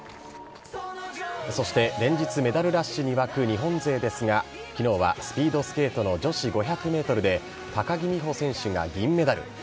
そして、連日メダルラッシュに沸く日本勢ですが、きのうはスピードスケートの女子５００メートルで高木美帆選手が銀メダル。